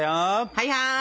はいはい。